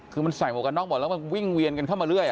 คือมันใส่หมวกกันน็อกหมดแล้วมันวิ่งเวียนกันเข้ามาเรื่อย